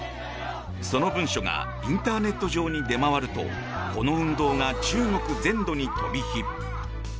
その文書がインターネット上に出回るとこの運動が中国全土に飛び火。